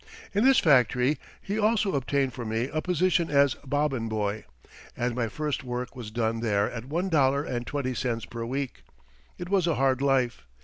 In this factory he also obtained for me a position as bobbin boy, and my first work was done there at one dollar and twenty cents per week. It was a hard life.